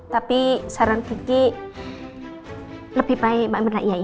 tapi saran kiki lebih baik mbak mirna iya ya